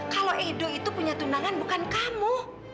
kalau edo itu punya tunangan bukan kamu